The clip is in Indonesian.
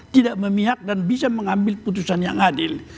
tidak memihak dan bisa mengambil putusan yang adil